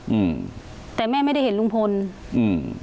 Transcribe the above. อืมแต่แม่ไม่ได้เห็นลุงพลอืม